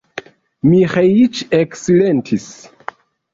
Miĥeiĉ eksilentis.